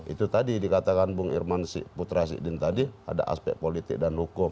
itu tadi dikatakan bung irman putra sidin tadi ada aspek politik dan hukum